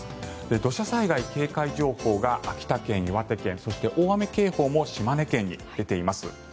土砂災害警戒情報が秋田県、岩手県そして、大雨警報も島根県に出ています。